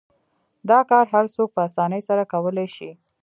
دا کار هر څوک په اسانۍ سره کولای شي.